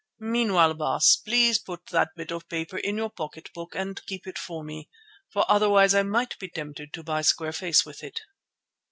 Meanwhile, Baas, please put that bit of paper in your pocket book and keep it for me, for otherwise I might be tempted to buy square face with it."